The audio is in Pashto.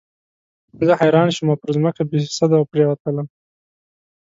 زه حیران شوم او پر مځکه بېسده پرېوتلم.